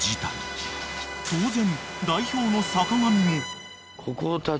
［当然］